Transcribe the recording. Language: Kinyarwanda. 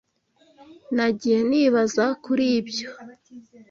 Nagiye nibaza kuri ibyo.